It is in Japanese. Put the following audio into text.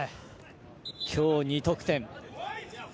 今日、２得点。